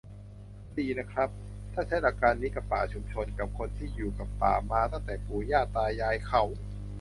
"ก็ดีนะครับ ถ้าใช้หลักการนี้กับป่าชุมชน กับคนที่อยู่กับป่ามาตั้งแต่ปู่ย่าตายายเขา"